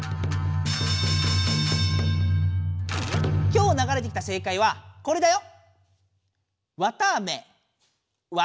今日ながれてきた正解はこれだよ。